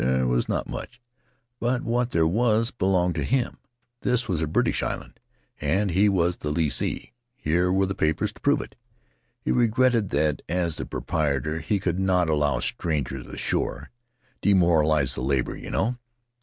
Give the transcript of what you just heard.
There was not much, but what there was belonged to him. This was a British island, and he was the lessee; here were the papers to prove it. He regretted that as the proprietor he could not allow strangers ashore — demoralize the labor, you know.